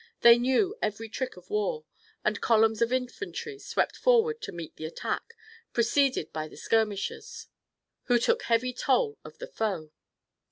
They knew every trick of war, and columns of infantry swept forward to meet the attack, preceded by the skirmishers, who took heavy toll of the foe.